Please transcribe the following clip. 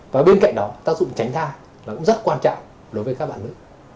và bên cạnh đó tác dụng tránh thai là cũng rất quan trọng đối với các bạn nữ